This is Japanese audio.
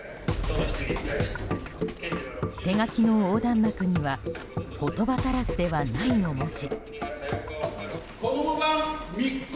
手書きの横断幕には「言葉足らずではない！」の文字。